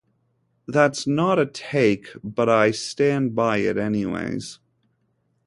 That’s not a take but I stand by it anyways.